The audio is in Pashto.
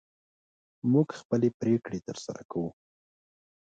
موږ خپلې پرېکړې تر سره کوو.